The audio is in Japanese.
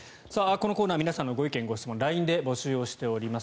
このコーナー皆さんのご意見・ご質問をＬＩＮＥで募集をしております。